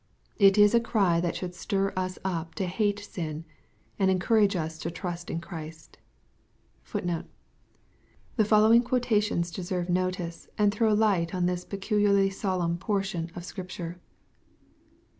It is a cry that should stir us up to hate sin, and encourage us to trust in Christ.^ ♦ Th *} following quotations deserve notice, and throw Ught on thia peculiarly solemn portion of Scripture.